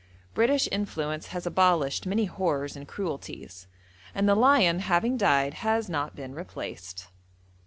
British influence has abolished many horrors and cruelties, and the lion having died has not been replaced.